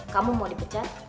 kamu mau dipecat